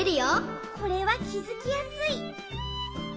これはきづきやすい！